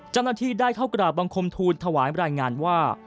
จับหน้าที่ภารกิจได้เข้ากละบังคมธูณภ์ถวายรายงานว่า